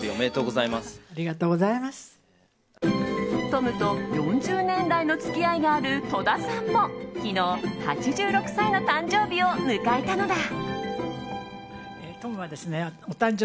トムと４０年来の付き合いがある戸田さんも昨日、８６歳の誕生日を迎えたのだ。